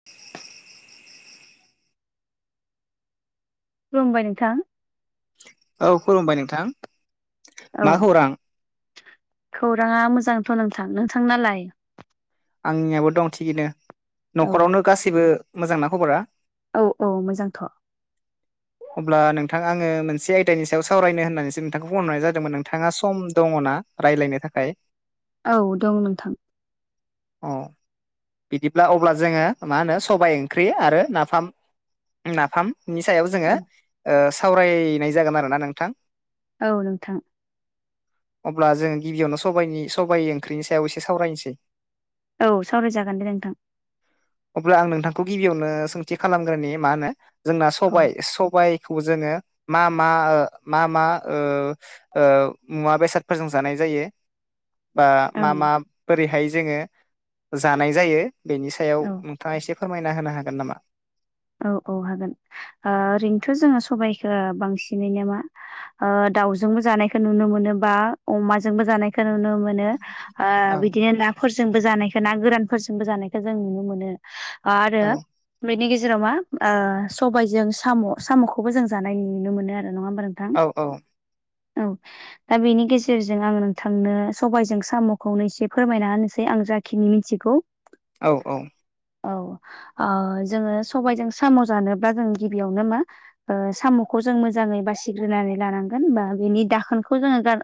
[inaudible] खुलुमबाय नोंथां। औ खुलुमबाय नोंथां। औ मा खौरां खौराङा मोजांथ' नोंथां नोंथां नालाय? आंनियाबो दं थिगैनो औ न'खरावनो गासैबो मोजांना खबरा? औ औ मोजांथ। [inaudible] अब्ला नोंथां आङो मोनसे आयदानि सायाव सावरायनो होननानैसो नोंथांखौ फन हरनाय जादोंमोन नोंथाङा सम दङ ना? रायलायनो थाखाय। औ दं नोंथां। अ बिदिब्ला अब्ला जोङो मा होनो सबाय ओंख्रि आरो नाफाम नाफामनि सायाव औ जोङो सावरायनाय जागोन आरोना नोंथां। औ नोंथां। अब्ला जोङो गिबियावनो सबायनि सबाइ ओंख्रिनि सायाव एसे सावरायनोसै। औ सावरायजागोन दे नोंथां। अब्ला आं नोंथांखौ गिबियावनो सोंथि खालामग्रोनि मा होनो जोंना औ सबाय सबाय खौ जोङो मा मा ओ मा मा ओ ओ मुवा बेसादफोरजों जानाय जायो बा औ मा मा बोरैहाय जोङो जानाय जायो बेनि सायाव औ थाङा एसे फोरमायना होनो हागोन नामा? औ औ हागोन आ ओरैनोथ जोङो सबाइखो बांसिनैनो मा ओ दाउजोंबो जानायखौ नुनो मोनो बा अमाजोंबो जानायखौ नुनो मो नो ओ औ बिदिनो नाफोरजोंबो जानायखौ ना गोरानफोरजोंबो जानायखौ जों नुनो मोनो। आ आरो औ बेनि गेज जेराव मा सबायजों साम' साम'खौबो जों जानाय नुनो मोनो आरो नङा होमबा नोंथां। औ औ औ दा बेनि गेजेरजों आं नोंथांनो सबायजों साम'खौनो एसे फोरमायना होनोसै आं जा खिनि मिथिगौ। औ औ औ ओ जोङो सबायजों साम' जानोब्ला जों गिबियावनो मा ओ साम'खौ जों मोजाङै बासिग्रोनानै लानांगोन बा बेनि दाखोनखौ जोङो गार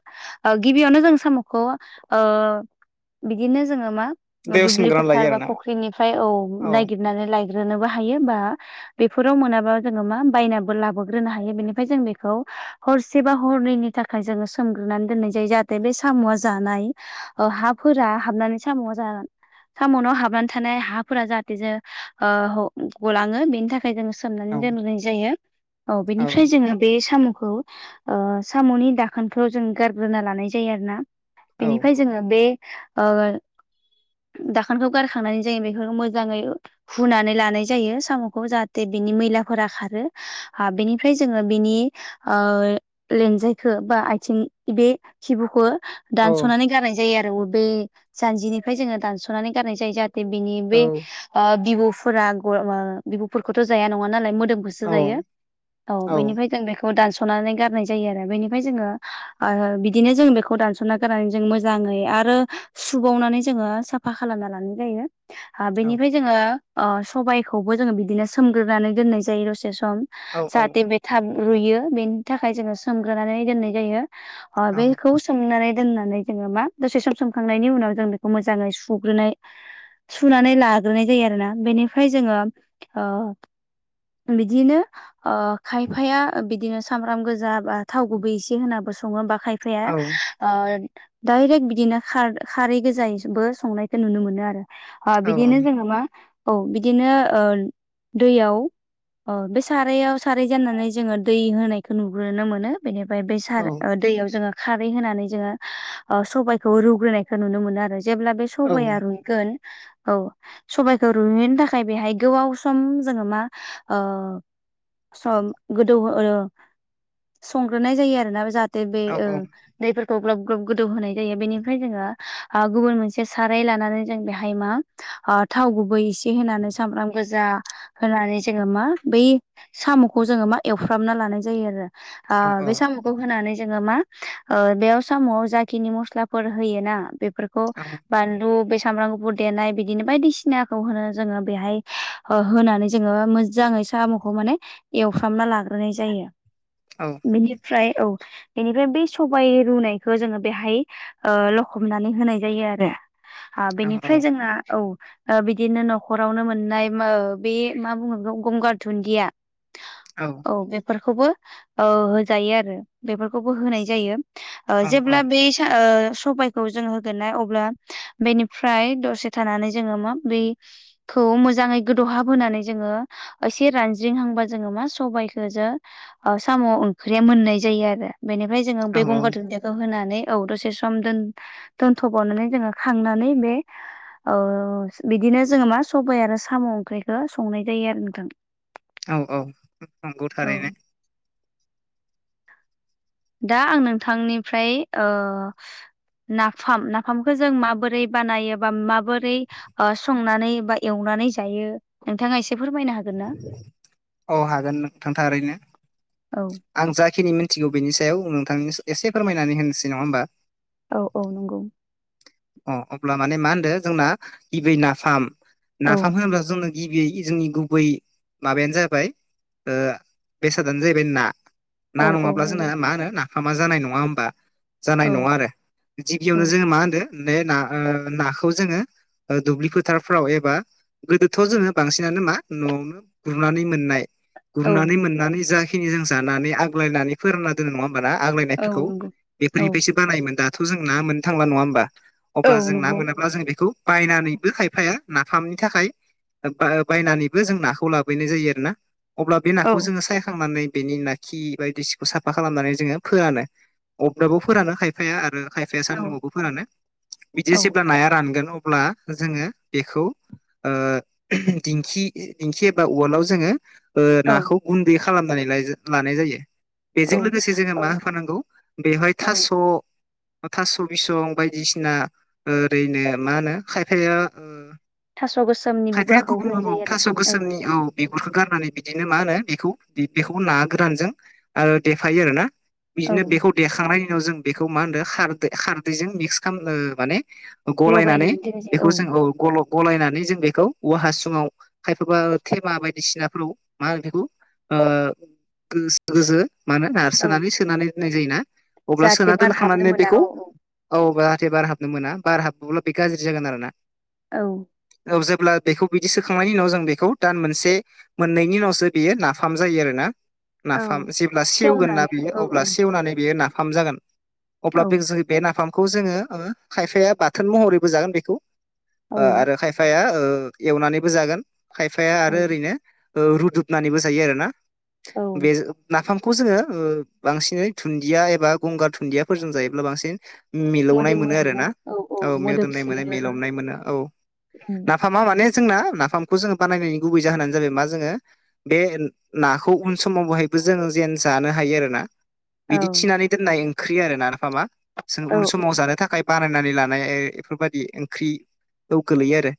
ओ गिबियावनो जों साम'खौ ओ बिदिनो जोङो मा दैयाव दुब्लि सोमग्रोना लायो फोथार बा आरोना फुख्रिनिफ्राय औ नायगिरनानै लायग्रोनोबो हायो बा बेफोराव मोनाबा जोङो मा बायनो लाबोग्रोनो हायो बेनिफ्राय जों बेखौ हरसे बा हरनैनि थाखाय जोङो सोमग्रोनानै दोननाय जायो जाहाथे बे साम'आ जानाय हाफोरा हाबनानै साम'आ जा साम'नाव हाबनानै थानाय हाफोरा जाहाथे जे ओ गलाङो बेनि थाखाय जोङो सोमनानै औ दोननाय जायो औ बेनिफ्राय जोङो बे साम'खौ ओ साम'नि दाखोनफ्राव जों गारग्रोना लानाय जायो आरो ना बेनिफ्राय जों जोङो बे ओ दाखोनखौ गारखांनानै जायो बेखौ मोजाङै हुनानै लानाय जायो जायो साम'खौ जाहाथे बिनि मैलाफोरा खारो बेनिफ्राय जोङो बिनि लानजायखौ बा आथिं बे खिबुखौ औ दानस'नानै गारनाय जायो आरो बबे जानजिनिफ्राय जोङो दानस'नानै गारनाय जायो आरो बिनि औ बे बिबुफोरा बिबुफोरखौथ' ओ जाया नङा नालाय मोदोम औ सो औ जायो औ बेनिफ्राय जों बेखौ दानस'नानै गारनाय जायो आरो बेनिफ्राय जोङो बिदिनो जों बेखौ दानस'ना गोननानै जों मोजाङै आरो सुबावनानै जोङो साफा साफा खालामना लानाय जायो। बेनिफ्राय जोङो सबायाइखौबो जोङो बिदिनो सोमग्रोनानै दोननाय जायो दसे सम। जाहाथे बे थाब रुयो बेनि थाखाय जोङो सोमग्रोनानै दोननाय जायो। ओ बेखौबो सोमनानै दोननानै जोङो मा दसे सोम सोमखांनायनि उनाव जों बेखौ मोजाङै सुग्रोनाय सुनानै लाग्रोनाय जायो आरोना बेनिफ्राय जोङो ओ बिदिनो ओ खायफाया बिदिनो सामब्राम गोजा बा थाव गुबै एसे होनाबो संङो होमबा खायफा फाया ओ दायरेक्ट बिदिनो खार खारै गोजायैबो संनायखौ नुनो मोनो आरो। आ बिदिनो जोङो मा औ बिदिनो ओ दैयाव अ बे सारायाव साराय जानानै जोङो दै होनायखो नुग्रोनो मोनो। बेनिफ्राय बै सार ओ दैयाव जोङो खारै होनानै जोङो ओ सबाइखौ रुग्रोनायखो नुनो मोनो आरो जेब्ला बे सबाया गोन औ सबाइखौ ओ रुयनायनि थाखाय बेहाय गोबाव सम जोङो मा ओ सं गोदौ ओ संग्रोनाय जायो आरोना जाहाथे दे बे ओ दैफोरखौ ग्लब ग्लब गोदौ होनाय जायो बेनिफ्राय जोङो आ गुबुन मोनसे साराय लानानै जों बेहाय मा ओ थाव गुबै एसे होनानै सामब्राम गोजा होनानै जोङो मा बै साम'खौ जोङो मा एवफ्रामना लानाय जायो। आ बे साम खौ होनानै जोङो मा ओ बेयाव साम' जाखिनि मस्लाफोर होयोना बेफोर खौ औ बानलु बे सामब्राम गुफुर देनाय बिदिनो बायदिसिना खौ होनो जोङो बेहाय ओ होनानै जोङो मोजाङै साम'खौ माने एवफ्रामना लाग्रोनाय जायो। औ बिनिफ्राय औ बेनिफ्राय बेै सबाइ रुनायखौ जोङो बेहाय लखबनानै होनाय जायो आरो। ओ औ बेनिफ्राय जोंना औ। ओ बिदिनो न'खरावनो मोननाय मो बे मा बुङो बिखौ गंगार धुन्दिया ओ औ बेफोरखौबो ओ होजायो आरो बेफोरखौबो होनाय जायो। ओ औ जेब्ला बे सा ओ सबाइ खौ जों होगोनना अब्ला बेनिफ्राय दसे थानानै जोङो माबोरै खौ मोजाङै गोदौहाब होनानै जोङो एसे रानज्रिंहांबा जोङो मा सबाइखो जों ओ साम' ओंख्रिया मोननाय जायो आरो बेनिफ्राय जोङो औ बे गंगार दुनदियाखौ खो होनानै औ दसे समोन दोन दोनथ'बावनानै जोङो खांनानै बे औ बिदिनो जोङो मा सबाय आरो साम' ओंख्रिखौ संनाय जायो आरो नोंथां औ औ नंगौ औ थारैनो दा आं नोंथांनिफ्राय ओ नाफाम नाफामखौ जों माबोरै बानायो बा माबोरै ओ संनानै बा एवनानै जायो नोंथाङा एसे फोरमायनो हागोन ना? औ हागोन नोंथां थारैनो औ आं जाखिनि मिनथिगौ बेनि सायाव नोंथांनि एसे फोरमायनानै होनोसै नङा होमबा औ औ नंगौ अ अब्ला माने मा होनदो जोंना गिबियै नाफाम औ नाफाम होनोब्ला जोंनो गिबियै जोंनि गुबै माबायानो जाबाय ओ बेसादानो जाहैबाय ना औ ना औ नङाब्ला जोंनो नंगौ मा होनो नाफामा जानाय नङा होमबा जानाय औ नङा आरो गिबियावनो औ जोङो मा होनदो बे ना ओ नाखौ जोङो ओ दुब्लि फोथारफ्राव एबा गोदोथ' जोङो बांसिनानो मा न'आव गुरनानै मोननाय औ गुरनानै मोननानै जाखिनि जों जानानै आग्लायनानै फोरानना दोनो नङा होमबाना आग्लाय औ नायफोरखौ नंगौ औ बेफोरनिफ्रायसो बानायोमोन दाथ' जों ना मोननो थांला नङा होमबा औ अब्ला जों ना नंगौ मोनाब्ला जों बेखौ बायनानैबो खायफाया नाफामनि थाखाय बायनानैबो जों नाखौ लाबोननाय जायो आरो ना अब्ला बे औ नाखौ जोङो सायखांनानै बेनि ना खि बायदिसिखौ साफा खालामनानै जोङो फोरानो अगदाबव फोरानो खायफाया आरो खायफाया औ सानदुङावबो फोरानो बिदि जेब्ला नाया रानगोन अब्ला जोङो बेखौ दिंखि दिंखि एबा उवालाव जोङो ओ नाखौ गुन्दै खालामनानै लानाय जायो औ बेजों लोगोसे जोङो मा होफानांगौ बेवहाय औ थास' थास' बिसं बायदिसिना बसिना ओरैनो मा होनो खायफाया थास' गोसोमनि खायफाया बुगाखौ गुबुन होनाय दाव जायो थास' आरो गोसोमनि औ बिगुरखौ गारनानै बिदिनो मा होनो बेखौ बेखौ ना गोरानजों आरो देफायो आर ना औ बिदिनो बेखौ देखांनायनि उनाव जों बेखौ मा होनदों‌ खारदै खारदैजों मिक्स खालामनो माने गलायनानै लगायनानै दोननाय जायो बेखौ जों औ गलब गलायनानै जों बेखौ औवा हासुङाव खायफाबा थेमा बायदिसिनाफोराव मा होनो बेखौ ओ गो गोजो गोजो माने औ नारसोनानै सोनानै दोननाय जायोना अब्ला जाहाथे सोना बार हाबनो दोनखांनानै मोना बेखौ औ औ औ जाहाथे बार हाबनो मोना बार हाबब्ला बे गाज्रि जागोन आरो ना औ औ जेब्ला बेखौ बिदि सोखांनायनि उनाव जों बेखौ दान मोनसे मोननैनि उनावसो बियो नाफाम जायो आरोना औ नाफाम जेब्ला सेवगोन ना सेवनानै बियो औ औ अब्ला सेवनानै बेयो नाफाम जागोन अब्ला बे औ ज बे नाफामखौ जोङो खायफाया बाथोन महरैबो जागोन बेखौ ओ औ आरो ओ खायफाया एवनानैबो जागोन खायफाया औ आरो ओरैनो रुदुबनानैबो जायो आरो ना औ बे नाफाम खौ जोङो बांसिनै दुनदिया एबा गंगार दुनदियाफोरजों जायोब्ला बांसिन मिलौनाय मोदोमो आरो आरोना ना औ मोदोमनाय मोनो मोदोमसोयो आरो मिलौनाय मोनो औ उम, नाफाम नाफामा माने जोंना नाफामखौ जोङो बानायनायनि गुबै जाहोनानो जाबाय मा जोङो बे नाखौ उन समाव बहायबो जों जेन जानो हायो आरो ना औ बिदि थिनानै दोननाय ओंख्रि आरो ना नफामा जों औ उन समाव जानो थाखाय बानायनानै लानाय बेफोरबादि ओंख्रियाव गोलैयो आरो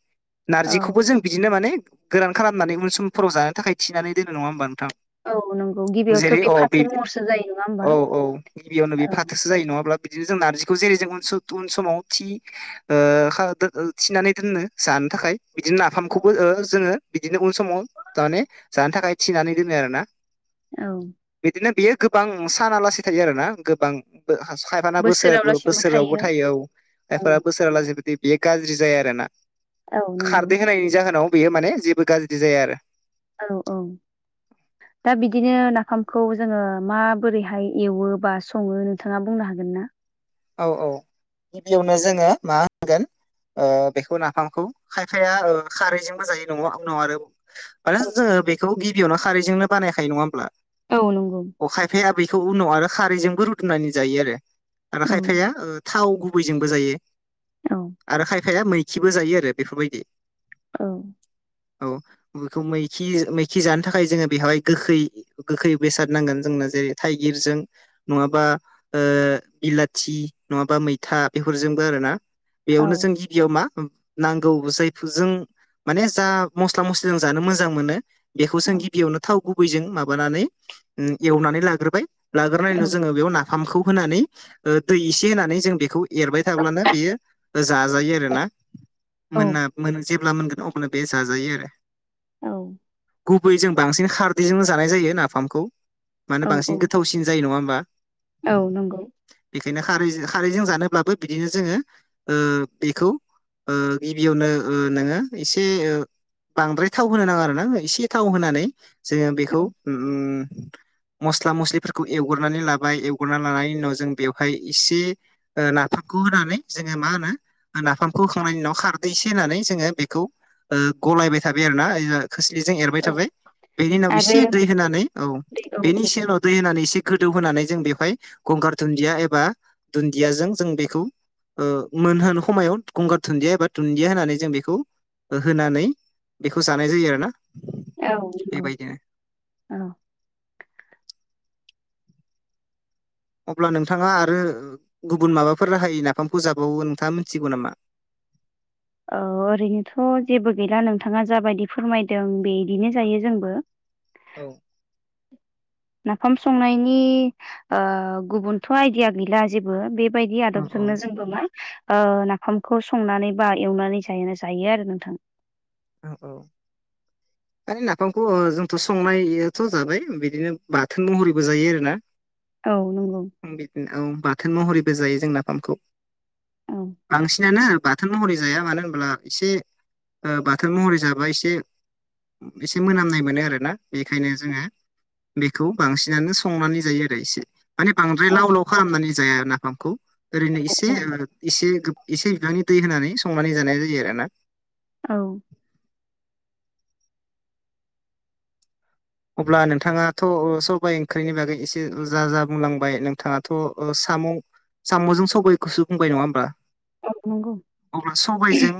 औ नारजिखौबो जों बिदिनो माने गोरान खालामनानै उन समफोराव जानो थाखाय थिनानै दोनो नङा होमबा नोंथां औ नंगौ गिबियावथ' जेरै औ बे फाथो महरसो जायो नङा होमबा औ औ गिबियावनो बे औ फाथोसो जायो नङाब्ला बिदिनो जों नारजिखौ जेरै जों उन समाव थि ओ खा थिनानै दोनो जानो थाखाय बिदिनो औ नाफामखौबो ओ जोङो बिदिनो उन समाव माने जानो थाखाय थिनानै दोनो आरो ना औ बिदिनो बियो गोबां सानालासि थायो आरोना गोबां खायफाना बोसोर बोसोराव लासिमबो बोसोरावबो थायो याव औ आइफा बोसोराव लासिबोदि बेयो गाज्रि जाया आरोना औ नंगौ खारदै होनायनि जाहोनाव बेयो माने जेबो गाज्रि जाया आरो औ औ [inaudible] दा बिदिनो नाफामखौ जोङो माबोरैहाय एवो बा सङो नोंथाङा बुंनो हागोन ना औ औ गिबियावनो जोङो मा होनगोन ओ बेखौ नाफामखौ खायफाया ओ खारैजोंबो जायो नङा उनाव आरो मानो औ जोङो बेखौ गिबियावनो खारैजोंनो बानायखायो नङा होमब्ला औ नंगौ अ खायफाया बेैखौ उनाव आरो खारैजोंबो रुदुनानै जायो आरो आरो औ खायफाया थाव गुबैजोंबो जायो औ आरो खायफाया मै खिबो जायो आरो बेफोरबायदि औ औ बेखौ मैखि मैखि जानो थाखाय जोङो बेवहाय गोखै गोखै बेसाद नांगोन जोंनो जेरै थाइगिरजों नङाबा ओ बिलाथि नङाबा मैथा बेफोरजोंबो आरो ना औ बेयावनो जों गियाव मा नांगौ जायफोर जों माने जा मस्ला मस्लिजों जानो मोजां मोनो बेखौ जों औ गिबियावनो थाव गुबैजों माबानानै एवनानै लाग्रोबाय लाग्रोनाय उनाव जोङो बेयाव नाफामखौ होनानै दै एसे होनानै जों बेखौ एरबाय थाब्लानो बेयो जाजायो आरोना मोना जेब्ला मोनगोन अब्ला बे जाजायो आरो औ गुबै जों बांसिन खारदैजोंनो जानाय जायो नाफामखौ मानो औ औ बांसिन गोथावसिन जायो नङा होमबा औ नंगौ बेखायनो खारै खारैजों जानोब्लाबो बिदिनो जोङो ओ बेखौ ओ गिबियावनो ओ नोङो एसे ओ बांद्राय थाव होनो नाङा आरोना एसे थाव होनानै जोङो बेखौ औ उम मस्ला मस्लिफोरखौ एवग्रोनानै लाबाय एवग्रोनानै लाबाय लानायनि उनाव जों बेवहाय एसे ओ नाफामखौ होनानै जोङो मा होनो नाफामखौ होखांनायनि उनाव खारदै एसे होननानै जोङो बेखौ ओ गलायबाय थाबाय आरोना खोस्लिजों एरबाय थाबाय बेनि उनाव एसे आरो दै होनानै औ औ बेनि गसे उनाव दै होनानै एसे गोदौ होनोनानै जों बेवहाय गंगार दुन्दिया एबा दुन्दियाजों जों बेखौ ओ मोनहोन खमायाव गंगार दुन्दिया एबा दुन्दिया होनानै जों बेखौ होनानै बेखौ जानाय जायो आरोना औ नंगौ बेबायदिनो औ अब्ला नोंथाङा आरो गुबुन माबाफोर राहायै नाफामखौ जाबावो नोंथाङा मिथिगौ नामा औ ओरैनोथ जेबो गैला नोंथाङा जाबायदि फोरमायदों बेदिनो जायो जोंबो औ नाफाम संनायनि ओ गुबुनथ आयदिया गैला जेबो बे बायदि औ आदबजोंनो जोंबो मा ओ नाफामखौ संनानै बा एवनानै जायोना जायो आरो नोंथां औ औ आरो नाफामखौ ओ जोंथ संनानैथ जाबाय बिदिनो बाथोन महरैबो जायो आरोना औ नंगौ बिदिनो औ बाथोन महरैबो जायो जों नाफामखौ औ बांसिनानो बाथोन महरै जाया मानो होनब्ला एसे बाथोन महरै जाबा एसे एसे मोनामनाय मोनो आरोना बेखायनो जोङो बेखौ बांसिनानो संनानै जायो आरो इसे। माने बांद्राय औ लाव लाव खालामनानै जाया नाफामखौ ओरैनो एसे ओ एसे एसे बिबांनि दै होनानै संनानै जानाय जायो आरोना। औ अब्ला नोंथाङाथ' सबाय ओंख्रिनि बागै एसे जा जा बुंलांबाय नोंथाङाथ' साम' साम'जों सबायखौसो बुंबाय नङा होनबा। अह नांगौ। अब्ला सबायजों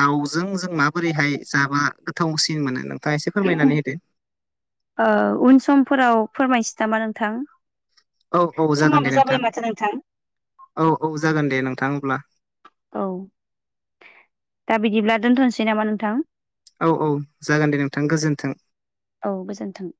दाउजों जों माबोरैहाय जाबा गोथावसिन मोनो नों दा एसे फोरमायनानै होदो। ओ उन समफोराव फोरमायसै नामा नोंथां। औ औ जागोन समाबो दे जाबाय नोंथां माथो नोंथां औ औ जागोन दे नोंथां अब्ला। औ दा बिदिब्ला दोनथ'नोसै नामा नोंथां। औ औ जागोन दे नोंथां गोजोन्थों। औ गोजोन्थों।